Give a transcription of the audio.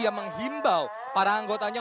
yang menghimbau para anggotanya